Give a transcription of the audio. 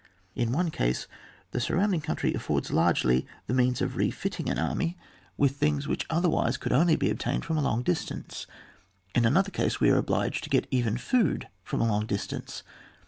In one case the surrounding country afforda largely the means of refitting an army with things which otherwise coulA only be obtained from a long distance; in an other case we are obliged to get even food from a long distance.